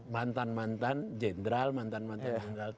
mantan mantan jenderal mantan mantan